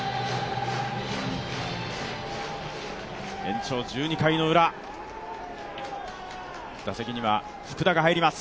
延長１２回ウラ、打席には福田が入ります。